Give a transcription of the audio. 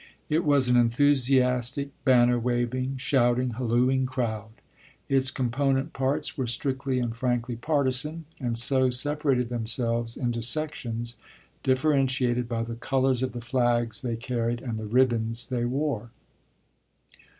It was an enthusiastic, banner waving, shouting, hallooing crowd. Its component parts were strictly and frankly partisan, and so separated themselves into sections differentiated by the colors of the flags they carried and the ribbons they wore.